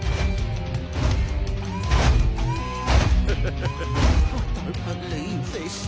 ハハハハッ。